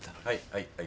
はい。